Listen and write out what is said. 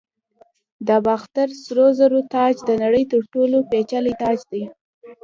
د باختر سرو زرو تاج د نړۍ تر ټولو پیچلی تاج دی